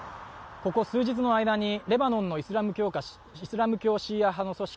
ここ数日の間にレバノンのイスラム教シーア派組織